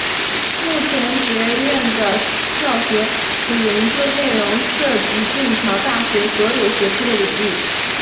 目前学院的教学和研究内容涉及剑桥大学所有学科的领域。